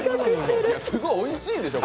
すごいおいしいでしょう。